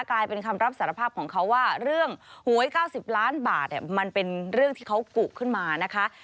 กลายเป็นคำรับสารภาพของเขาว่าเรื่องหวย๙๐ล้านบาทมันเป็นเรื่องที่เขากุขึ้นมานะคะ